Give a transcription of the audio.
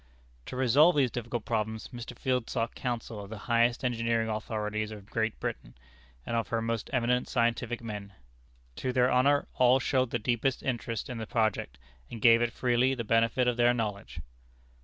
To resolve these difficult problems, Mr. Field sought counsel of the highest engineering authorities of Great Britain, and of her most eminent scientific men. To their honor, all showed the deepest interest in the project, and gave it freely the benefit of their knowledge.